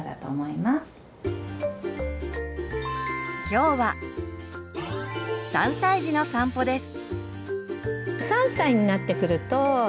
今日は３歳児の散歩です。